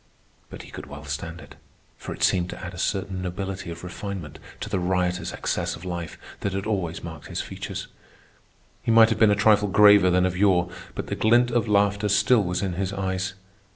But he could well stand it, for it seemed to add a certain nobility of refinement to the riotous excess of life that had always marked his features. He might have been a trifle graver than of yore, but the glint of laughter still was in his eyes.